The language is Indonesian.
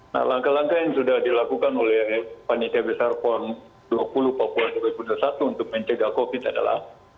nah langkah langkah yang sudah dilakukan oleh panitia besar pon dua puluh papua dua ribu dua puluh satu untuk mencegah covid adalah